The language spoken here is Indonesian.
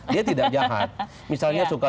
dia tidak jahat misalnya suka